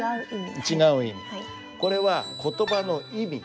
これは「言葉の意味」。